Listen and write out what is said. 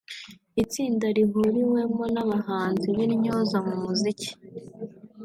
itsinda rihuriwemo n’abahanzi b’intyoza mu muziki